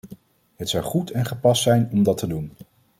Het zou goed en gepast zijn om dat te doen.